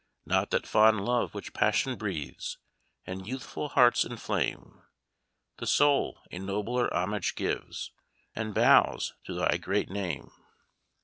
"Not that fond love which passion breathes And youthful hearts inflame; The soul a nobler homage gives, And bows to thy great name.